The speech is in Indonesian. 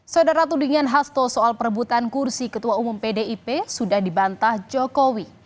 saudara tudingan hasto soal perebutan kursi ketua umum pdip sudah dibantah jokowi